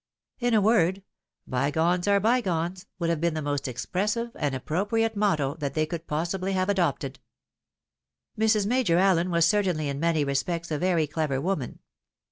In a word, " bygones are Bygones" would have been the most expressive and appropriate motto that they could possibly have adopted. Mrs. Major Allen was certainly in many respects a very clever woman.